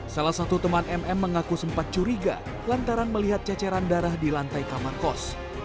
salah satu teman mm mengaku sempat curiga lantaran melihat ceceran darah di lantai kamar kos